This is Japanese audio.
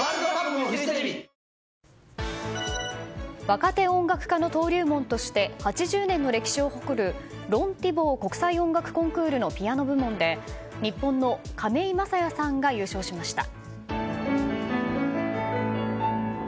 若手音楽家の登竜門として８０年の歴史を誇るロン・ティボー国際音楽コンクールのピアノ部門で日本の亀井聖矢さんが優勝しました。